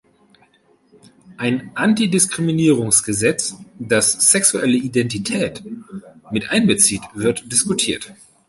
Ein Antidiskriminierungsgesetz, das sexuelle Identität miteinbezieht, wird diskutiert.